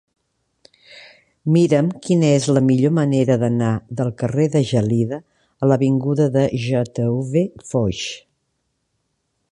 Mira'm quina és la millor manera d'anar del carrer de Gelida a l'avinguda de J. V. Foix.